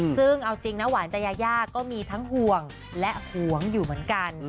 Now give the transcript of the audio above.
ซึ่งเอาจริงนะหวานใจยายาก็มีทั้งห่วงและห่วงอยู่เหมือนกัน